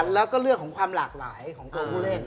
แล้วก็เรื่องของความหลากหลายของตัวผู้เล่น